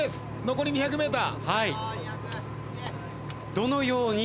残り２００ｍ。